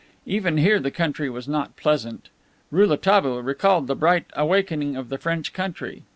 Even here the country was not pleasant. Rouletabille recalled the bright awakening of French country.